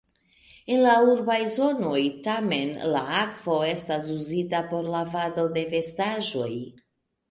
En la urbaj zonoj tamen la akvo estas uzitaj por lavado de vestaĵoj.